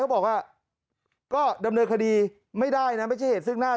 บอกว่าก็ดำเนินคดีไม่ได้นะไม่ใช่เหตุซึ่งหน้า